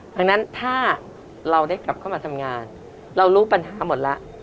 ดังนั้นถ้าเราได้กลับเข้ามาทำงานเรารู้ปัญหาหมดแล้ว